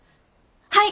はい！